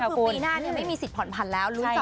อ๋อก็คือปีหน้าเนี่ยไม่มีสิทธิ์ผ่อนผันแล้ว